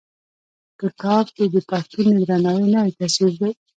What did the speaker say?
کتاب: دی د پښتون د درناوي نوی تصوير دی.